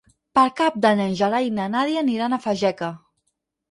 Per Cap d'Any en Gerai i na Nàdia aniran a Fageca.